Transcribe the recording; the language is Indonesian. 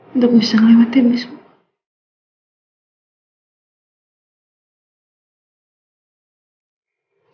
untuk bisa lewatin ini semua